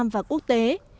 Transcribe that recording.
và được đó